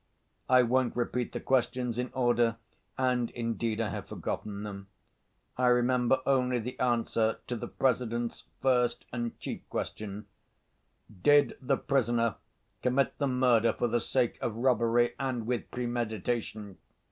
I won't repeat the questions in order, and, indeed, I have forgotten them. I remember only the answer to the President's first and chief question: "Did the prisoner commit the murder for the sake of robbery and with premeditation?"